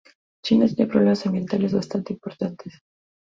China tiene problemas ambientales bastante importantes.